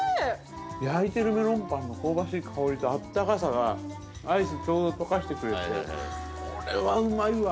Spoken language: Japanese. ◆焼いているメロンパンの香ばしい香りとあったかさが、アイスをちょうど溶かしてくれて、これはうまいわ。